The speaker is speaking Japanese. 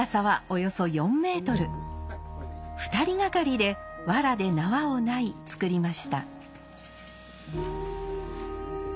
２人がかりでわらで縄をない作りました。